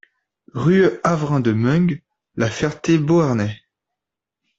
Rue Avrain de Meung, La Ferté-Beauharnais